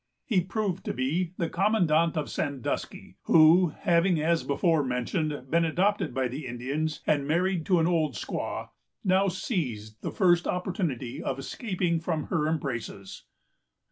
He proved to be the commandant of Sandusky, who, having, as before mentioned, been adopted by the Indians, and married to an old squaw, now seized the first opportunity of escaping from her embraces.